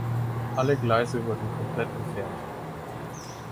Alle Gleise wurden komplett entfernt.